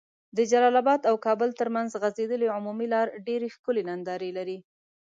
د جلال اباد او کابل تر منځ غځيدلي عمومي لار ډيري ښکلي ننداري لرې